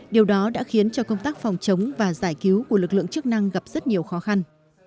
điều đó đã khiến cho công tác phòng chống và giải cứu của lực lượng chức năng gặp rất nhiều khó khăn